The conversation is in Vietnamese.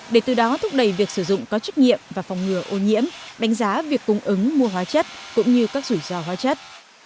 để từ đó thúc đẩy việc sử dụng có trách nhiệm và phòng ngừa ô nhiễm đánh giá việc cung ứng mua hóa chất cũng như các rủi ro hóa chất